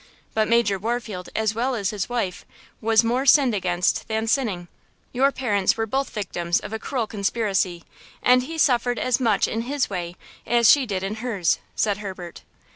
But Major Warfield, as well as his wife, was more sinned against than sinning. Your parents were both victims of a cruel conspiracy, and he suffered as much in his way as she did in hers," said Herbert.